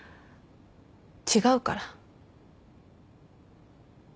違うから。